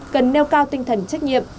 cần nêu cao tinh thần trách nhiệm